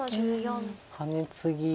ハネツギ。